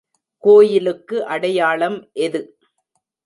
கோயிலுக்கு அடையாளம் எது?